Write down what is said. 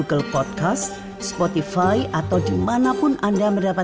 bagaimana memerangi masalah perjudian di australia